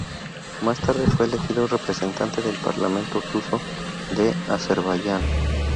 Más tarde fue elegido representante del Parlamento Ruso de Azerbaiyán.